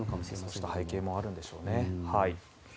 そうした背景もあるんでしょうね。